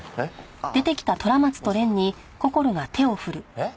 えっ！？